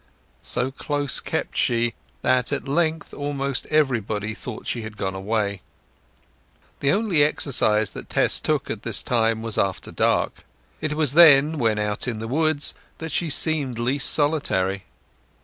So close kept she that at length almost everybody thought she had gone away. The only exercise that Tess took at this time was after dark; and it was then, when out in the woods, that she seemed least solitary.